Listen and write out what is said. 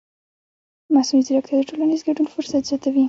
مصنوعي ځیرکتیا د ټولنیز ګډون فرصت زیاتوي.